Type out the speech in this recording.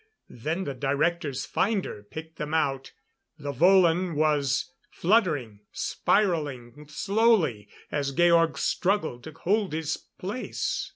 Then the Director's finder picked him out. The volan was fluttering, spiralling slowly as Georg struggled to hold his place.